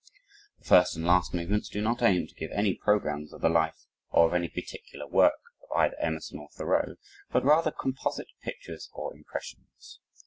The first and last movements do not aim to give any programs of the life or of any particular work of either Emerson or Thoreau but rather composite pictures or impressions.